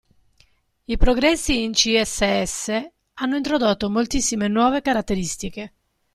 I progressi in CSS hanno introdotto moltissime nuove caratteristiche.